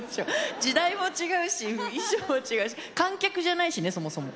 時代も違うし衣装も違うし観客じゃないしねそもそも。